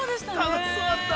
◆楽しそうだった！